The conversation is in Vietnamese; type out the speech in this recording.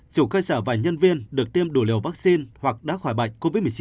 chủ cơ sở và nhân viên được tiêm đủ liều vaccine hoặc đã khỏi bệnh covid một mươi chín